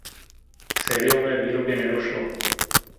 K sériové výrobě nedošlo.